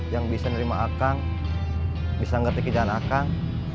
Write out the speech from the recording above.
yang bisa nerima akang bisa ngerti jalan akang